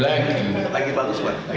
lagi bagus pak